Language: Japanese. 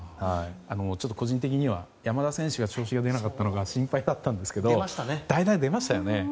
個人的には山田選手が調子が上がらなかったのが心配だったんですが代打で出ましたね。